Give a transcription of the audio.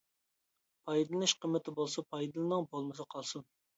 پايدىلىنىش قىممىتى بولسا پايدىلىنىڭ، بولمىسا قالسۇن.